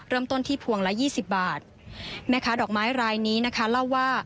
เริ่มต้นที่พวงละยี่สิบบาทแม่ค้าดอกไม้รายนี้นะคะเล่าว่า